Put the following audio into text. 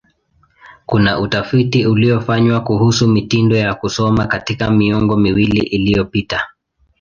Kuna utafiti uliofanywa kuhusu mitindo ya kusoma katika miongo miwili iliyopita.